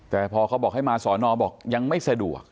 แต่พอเขาบอกให้มาสอนอบอกยังไม่สะดวก